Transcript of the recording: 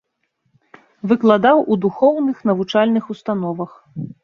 Выкладаў у духоўных навучальных установах.